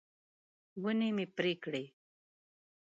ونې مه پرې کړه.